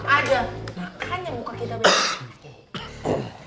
ada hanya muka kita beda